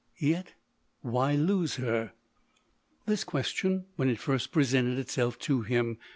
— yet why lose her ?" This question, when it first presented itself to him.